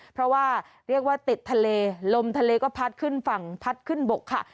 เพราะว่าเรียกว่าติดทะเลลมทะเลก็พัดขึ้นฝั่งพัดขึ้นบกค่ะ